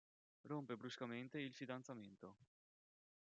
Rompe bruscamente il fidanzamento.